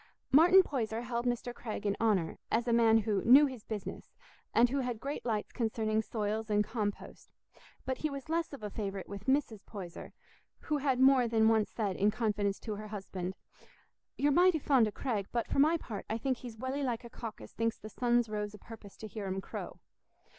Martin Poyser held Mr. Craig in honour, as a man who "knew his business" and who had great lights concerning soils and compost; but he was less of a favourite with Mrs. Poyser, who had more than once said in confidence to her husband, "You're mighty fond o' Craig, but for my part, I think he's welly like a cock as thinks the sun's rose o' purpose to hear him crow."